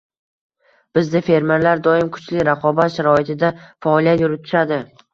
Bizda fermerlar doim kuchli raqobat sharoitida faoliyat yuritishadi.